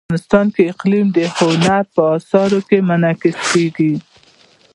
افغانستان کې اقلیم د هنر په اثار کې منعکس کېږي.